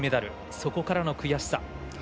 そこからの悔しさ。